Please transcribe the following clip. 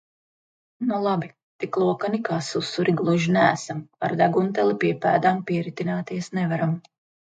Nu labi, tik lokani kā susuri gluži neesam, ar degunteli pie pēdām pieritināties nevaram.